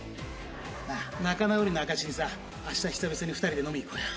仲直りの証しにさ明日久々に２人で飲みに行こうよ。